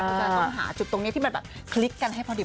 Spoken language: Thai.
เพราะฉะนั้นต้องหาจุดตรงนี้ที่มันแบบคลิกกันให้พอดี